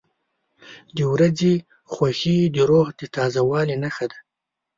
• د ورځې خوښي د روح د تازه والي نښه ده.